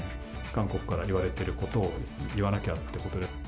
韓国から言われていることを言わなきゃってことで。